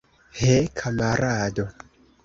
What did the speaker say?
He, kamarado!